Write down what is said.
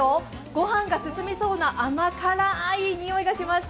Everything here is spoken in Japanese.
ご飯が進みそうな甘辛いにおいがします。